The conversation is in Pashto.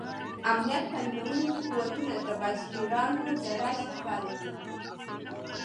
امنیت تامینونکي قوتونه د باج ګیرانو د راج لپاره دي.